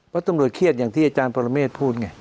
เพราะตำรวจเครียดอย่างที่อาจารย์ปรเมฆพูดไง